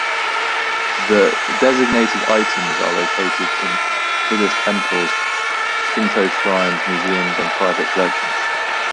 The designated items are located in Buddhist temples, Shinto shrines, museums, and private collections.